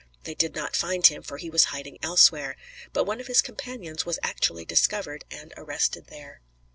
They did not find him, for he was in hiding elsewhere, but one of his companions was actually discovered and arrested there.